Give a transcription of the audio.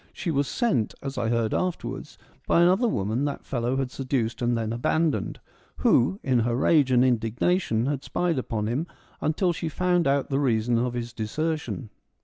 She was sent, as I heard afterwards, by another woman that fellow had seduced and then abandoned, who, in her rage and indignation had spied on him until she found out the reason of his desertion.